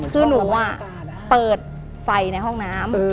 คือหนูเปิดไฟในห้องน้ำ